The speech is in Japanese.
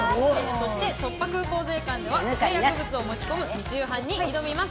そして、突破空港税関では、不正薬物を持ち込む密輸犯に挑みます。